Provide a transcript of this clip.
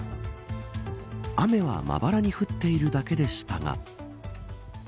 雨は、まばらに降っているだけでしたが。